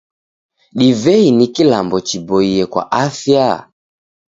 Divei ni kilambo chiboie kwa afya?